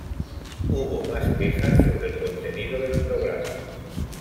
Hubo más quejas sobre el contenido del programa.